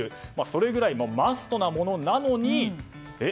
それぐらいマストなものなのにえ？